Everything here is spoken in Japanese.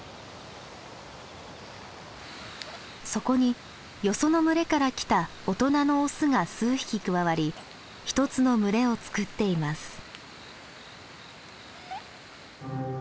そこによその群れから来た大人のオスが数匹加わり１つの群れを作っています。